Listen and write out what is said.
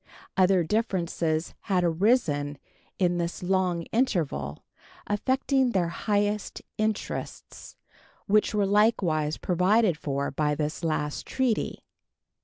Other differences had arisen in this long interval, affecting their highest interests, which were likewise provided for by this last treaty.